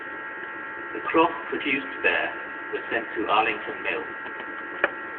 The cloth produced there was sent to Arlington Mill.